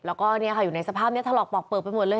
แล้วก็เนี้ยค่ะอยู่ในสภาพเนี้ยถรอกปอกเปิดไปหมดเลย